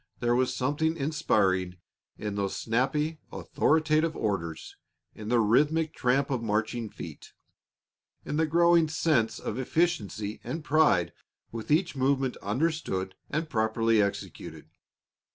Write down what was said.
There was something inspiring in those snappy, authoritative orders, in the rhythmic tramp of marching feet, in the growing sense of efficiency and pride with each movement understood and properly executed.